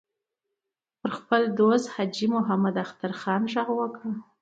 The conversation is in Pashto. پر خپل دوست حاجي اختر محمد خان غږ وکړ.